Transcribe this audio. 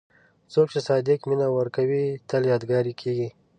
څوک چې صادق مینه ورکوي، تل یادګاري کېږي.